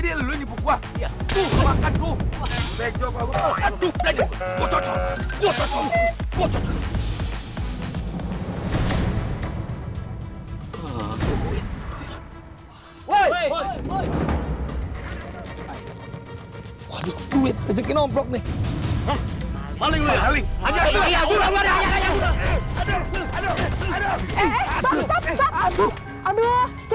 hai otot duit peduli numbruk nih malin melihat ada misalnya